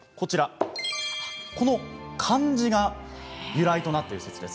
この漢字が由来となっている説です。